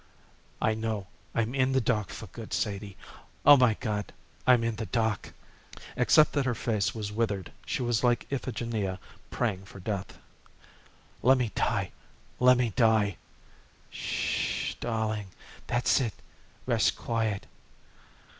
"I know. I'm in the dark for good, Sadie. Oh, my God! I'm in the dark!" Except that her face was withered, she was like Iphigenia praying for death. "Lemme die! Lemme die!" "'Shh h h darling That's it, rest quiet."